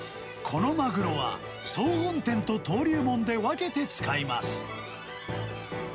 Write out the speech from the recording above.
このマグロは、総本店と登龍門で分けて使います。